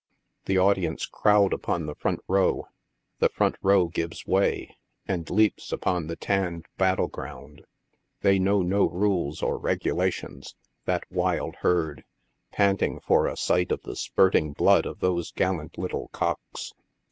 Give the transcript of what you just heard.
The audience crowd upon the front row ; the front row gives way, and leaps upon the tanned battle ground ; they know no rules or regulations, that wild herd, panting for a sight of the spurting blood of those gallant little cocks.